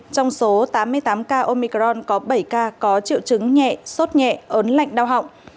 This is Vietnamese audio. trong số tám mươi tám ca omicron có bảy ca có triệu chứng nhẹ sốt nhẹ ớn lạnh đau họng